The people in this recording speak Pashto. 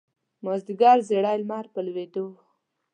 مازیګر زیړی لمر په لویېدو و.